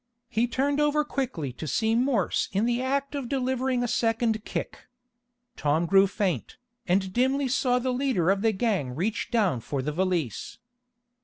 He turned over quickly to see Morse in the act of delivering a second kick. Tom grew faint, and dimly saw the leader of the gang reach down for the valise.